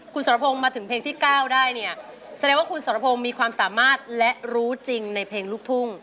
คุณสรพงศ์มาถึงเพลงที่๙ได้เนี่ยแสดงว่าคุณสรพงศ์มีความสามารถและรู้จริงในเพลงลูกทุ่ง